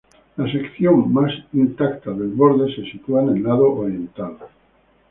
La sección más intacta del borde se sitúa en el lado oriental.